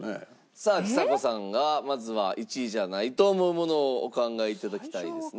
さあちさ子さんがまずは１位じゃないと思うものをお考え頂きたいですね。